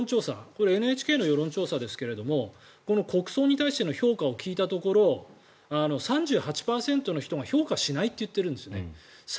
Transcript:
これはＮＨＫの世論調査ですが国葬に対しての評価を聞いたところ３８％の人が評価しないって言ってるんですね。